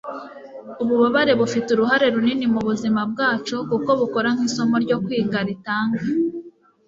ububabare bufite uruhare runini mubuzima bwacu kuko bukora nk'isomo ryo kwiga ritanga